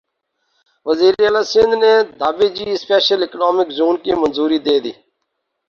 وزیراعلی سندھ نے Dhabeji special economic zone کی منظوری دیدی